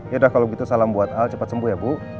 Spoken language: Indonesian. yaudah kalau gitu salam buat al cepat sembuh ya bu